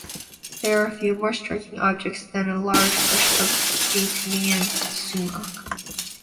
There are few more striking objects than a large bush of the Venetian sumac.